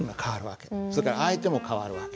それから相手も変わる訳。